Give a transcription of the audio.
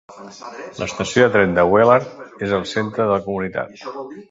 L'estació de tren de Wellard és al centre de la comunitat.